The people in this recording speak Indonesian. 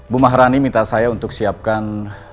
bu mahrani minta saya untuk siapkan